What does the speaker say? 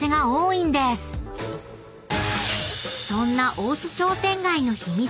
［そんな大須商店街の秘密